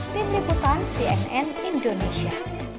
tim liputan cnn indonesia